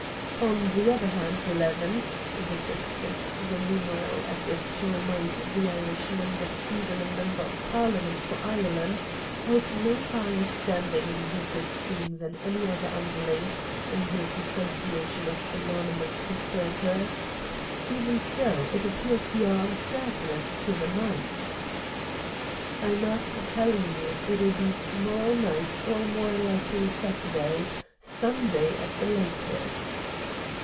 "On the other hand, Eleven"—Victor stressed the numeral as if to remind the Irishman that even a Member of Parliament for Ireland held no higher standing in his esteem than any other underling in his association of anonymous conspirators—"even so, it appears you are uncertain as to the night." "I'm after telling you it'll be to morrow night or more likely Saturday—Sunday at the latest."